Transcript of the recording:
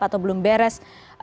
atau belum beres